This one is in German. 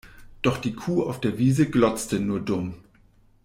Doch die Kuh auf der Wiese glotzte nur dumm.